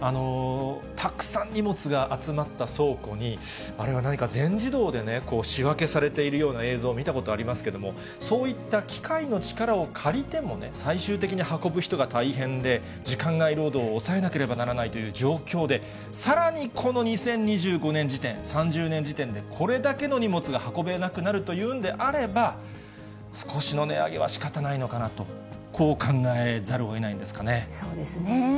たくさん荷物が集まった倉庫に、あれは何か全自動で仕分けされているような映像見たことありますけれども、そういった機械の力を借りてもね、最終的に運ぶ人が大変で、時間外労働を抑えなければならないという状況で、さらにこの２０２５年時点、３０年時点でこれだけの荷物が運べなくなるというんであれば、少しの値上げはしかたないのかなと、こう考えざるをえないんですそうですね。